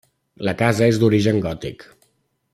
La casa és d'origen gòtic.